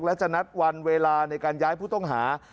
และจะนัดวันเวลาในการย้ายผู้ต้องหา